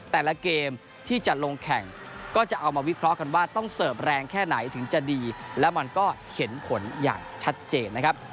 แต่ละเกมที่จะลงแข่งก็จะเอามาวิเคราะห์กันว่าต้องเสิร์ฟแรงแค่ไหนถึงจะดีแล้วมันก็เห็นผลอย่างชัดเจนนะครับ